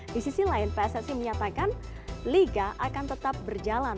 di sisi lain pssi menyatakan liga akan tetap berjalan